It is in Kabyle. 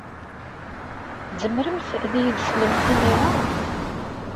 Tzemremt ad iyi-d-teslemt imir-a?